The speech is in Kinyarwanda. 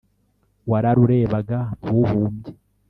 Wararurebaga ntuhumbye